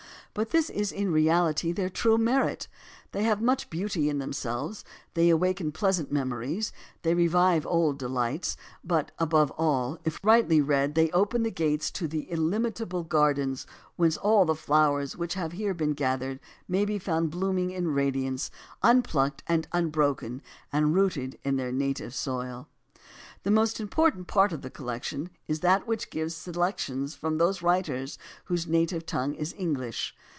But this is in reality their true merit. They have much beauty in themselves, they awaken pleasant memories, they revive old delights, but, above all, if rightly read they open the gates to the illimitable gardens whence all the flowers which have here been gathered may be found blooming in radiance, unplucked and unbroken and rooted in their native soil. The most important part of the collection is that which gives selections from those writers whose native tongue is English.